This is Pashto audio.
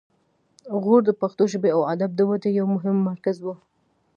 غور د پښتو ژبې او ادب د ودې یو مهم مرکز و